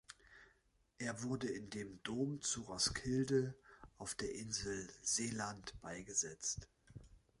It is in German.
Er wurde in dem Dom zu Roskilde auf der Insel Seeland beigesetzt.